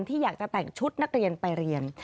ที่อยากจะแต่งชุดนักเรียนไปเรียน